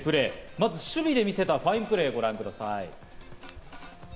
まずは守備でみせたファインプレーをご覧ください。